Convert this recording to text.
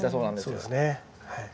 そうですねはい。